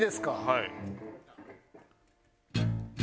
はい。